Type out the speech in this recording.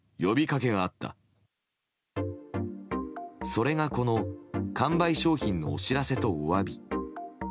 それが、この完売商品のお知らせとお詫び。